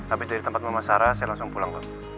habis dari tempat pemasaran saya langsung pulang